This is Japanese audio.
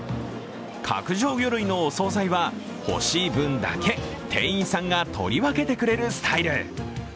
角上魚類のお総菜は欲しい分だけ店員さんが取り分けてくれるスタイル。